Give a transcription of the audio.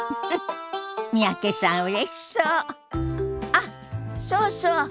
あっそうそう。